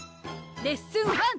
レッスン１！